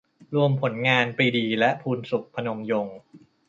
รวมผลงาน ปรีดี และ พูนศุข พนมยงค์